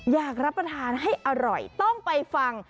อยากรับประทานให้อร่อยต้องไปฟัง